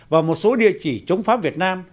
và một số địa chỉ chống pháp việt nam